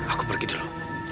aku pergi dulu